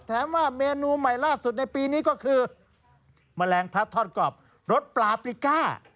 ว่าเมนูใหม่ล่าสุดในปีนี้ก็คือแมลงพัดทอดกรอบรสปลาปริก้า